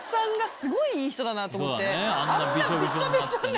あんなビショビショになって。